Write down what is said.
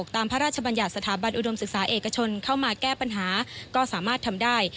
พระราชบัญญัติสถาบันอุดมศึกษาเอกชนเข้ามาแก้ปัญหาก็สามารถทำได้